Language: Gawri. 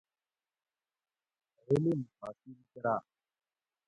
علم حاصل کراۤ